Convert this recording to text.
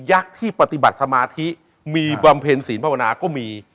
ักษ์ที่ปฏิบัติสมาธิมีบำเพ็ญศีลภาวนาก็มี